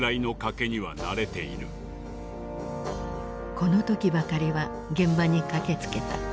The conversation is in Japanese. この時ばかりは現場に駆けつけた。